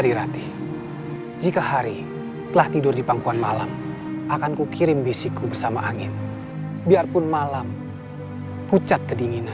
diratih jika hari telah tidur di pangkuan malam akan ku kirim bisiku bersama angin biarpun malam pucat kedinginan